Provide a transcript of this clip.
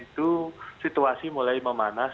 itu situasi mulai memanas